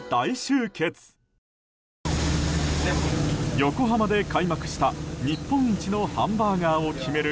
横浜で開幕した日本一のハンバーガーを決める